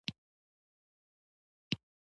هرات د افغانستان د ځمکې د جوړښت نښه ده.